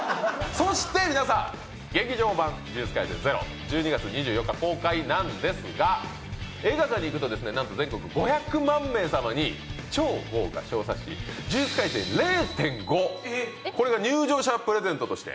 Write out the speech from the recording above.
そして皆さん「劇場版呪術廻戦０」１２月２４日公開なんですが映画館に行くとですねなんと全国５００万名様に超豪華小冊子「呪術廻戦０．５」これが入場者プレゼントとして。